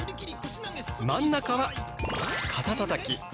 真ん中は「肩たたき」。